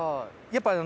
やっぱり。